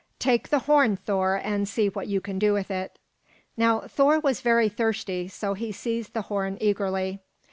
Take the horn, Thor, and see what you can do with it." Now Thor was very thirsty, so he seized the horn eagerly.